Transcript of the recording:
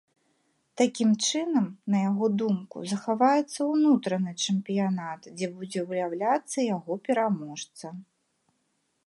Такім чынам, на яго думку, захаваецца ўнутраны чэмпіянат, дзе будзе выяўляцца яго пераможца.